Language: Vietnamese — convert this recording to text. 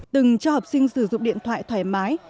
từng cho học sinh sử dụng điện thoại thoải mái